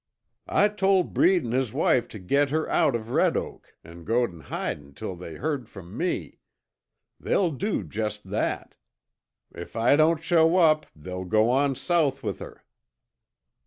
"I told Breed an' his wife to get her out of Red Oak an' go in hidin' till they heard from me! They'll do just that! If I don't show up, they'll go on south with her."